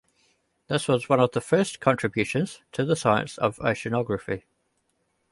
This was one of the first contributions to the science of Oceanography.